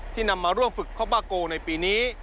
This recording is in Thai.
นำมาร่วมฝึกคอปบาโกในปีนี้